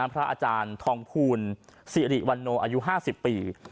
พระอาจารย์ทองภูลสิริวันโนอายุ๕๐ปี